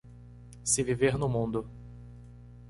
Se viver no mundo